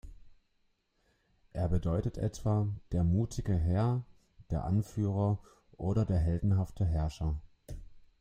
Er bedeutet etwa "Der mutige Herr", "Der Anführer" oder "Der heldenhafte Herrscher".